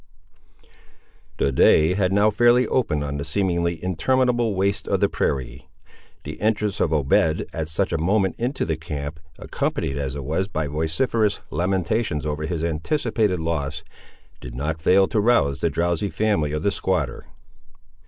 The day had now fairly opened on the seemingly interminable waste of the prairie. The entrance of Obed at such a moment into the camp, accompanied as it was by vociferous lamentations over his anticipated loss, did not fail to rouse the drowsy family of the squatter.